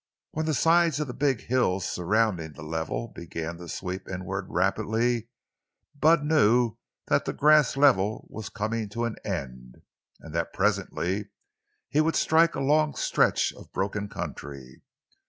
When the sides of the big hills surrounding the level began to sweep inward rapidly, Bud knew that the grass level was coming to an end, and that presently he would strike a long stretch of broken country.